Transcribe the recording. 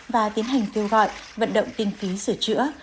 và tiến hành kêu gọi vận động kinh phí sửa chữa